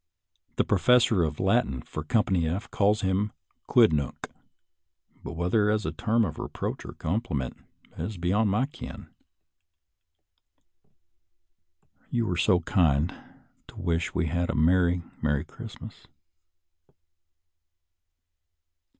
The professor of Latin for Company F calls him a quidnunc, but whether as a term of reproach or compliment is beyond my ken. ••♦ You were kind to wish we had a "merry, merry Christmas."